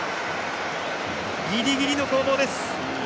ギリギリの攻防です。